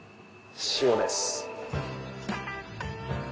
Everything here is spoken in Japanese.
塩です。